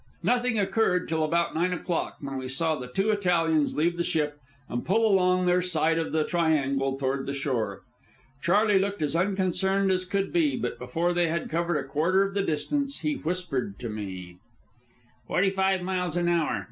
Nothing occurred till about nine o'clock, when we saw the two Italians leave the ship and pull along their side of the triangle toward the shore. Charley looked as unconcerned as could be, but before they had covered a quarter of the distance, he whispered to me: "Forty five miles an hour...